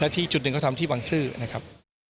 ที่จุดหนึ่งก็ทำที่บังซื้อนะครับ